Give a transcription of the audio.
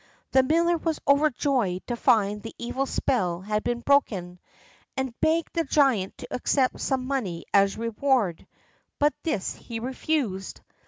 The miller was overjoyed to find the evil spell had been broken, and begged the giant to accept some money as reward, but this he refused.